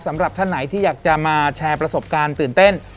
สำหรับท่านไหนที่อยากจะมาแชร์ประสบการณ์ตื่นเต้น